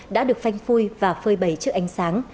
đã được phanh phui và phơi bầy trước ánh sáng